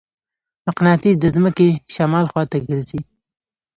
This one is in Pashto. مقناطیس د ځمکې شمال خواته ګرځي.